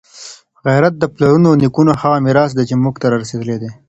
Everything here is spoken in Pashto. غیرت د پلرونو او نیکونو هغه میراث دی چي موږ ته رارسېدلی دی.